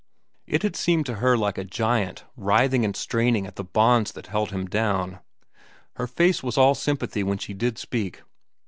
It had seemed to her like a giant writhing and straining at the bonds that held him down. Her face was all sympathy when she did speak.